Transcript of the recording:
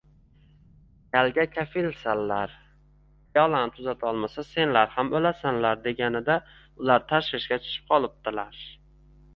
Kalga kafilsanlar, piyolani tuzata olmasa, senlar ham o‘lasanlar, deganida ular tashvishga tushib qolibdilar